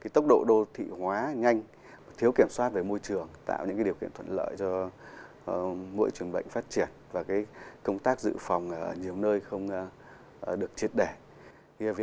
tốc độ đô thị hóa nhanh thiếu kiểm soát về môi trường tạo những điều kiện thuận lợi cho mỗi trường bệnh phát triển và công tác dự phòng ở nhiều nơi không được triệt đẻ